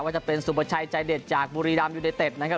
จะเป็นสุประชัยใจเด็ดจากบุรีรัมยูไนเต็ดนะครับ